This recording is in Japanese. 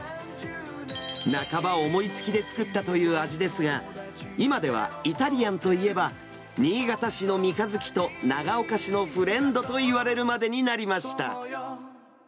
半ば思いつきで作ったという味ですが、今ではイタリアンといえば、新潟市のみかづきと長岡市のフレンドといわれるまでになりました。